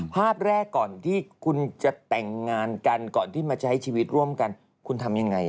ภาพแรกก่อนที่คุณจะแต่งงานกันก่อนที่มาใช้ชีวิตร่วมกันคุณทำยังไง